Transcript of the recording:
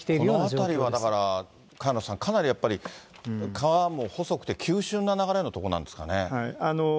この辺りはだから、萱野さん、かなり川も細くて、急しゅんな流れの所なんですかね。